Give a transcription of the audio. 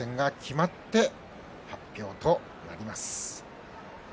そして発表となります。